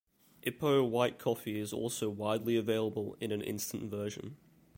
Ipoh White Coffee is also widely available in an instant version.